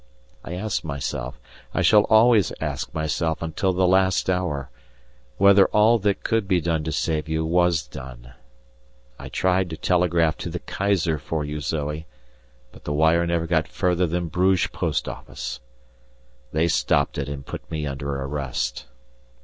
I ask myself, I shall always ask myself until the last hour, whether all that could be done to save you was done. I tried to telegraph to the Kaiser for you, Zoe, but the wire never got further than Bruges post office; they stopped it, and put me under arrest.